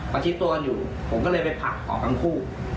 ชิดตัวกันอยู่ผมก็เลยไปผลักออกทั้งคู่